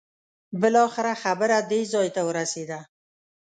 بالاخره خبره دې ځای ورسېده.